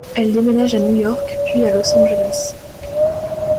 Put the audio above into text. Elle déménage à New York, puis à Los Angeles.